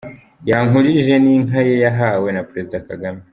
Yankurije n’inka ye yahawe na perezida Kagame.